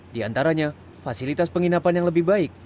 diantaranya fasilitas penginapan yang lebih baik